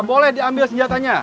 boleh diambil senjatanya